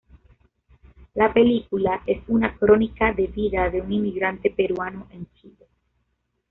La película es una crónica de la vida de un inmigrante peruano en Chile.